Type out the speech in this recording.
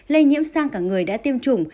lây nhiễm sang cả người đã tiêm chủng